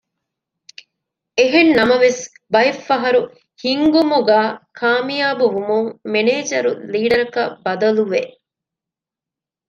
އެހެންނަމަވެސް ބައެއްފަހަރު ހިންގުމުގައި ކާމިޔާބުވުމުން މެނޭޖަރު ލީޑަރަކަށް ބަދަލުވެ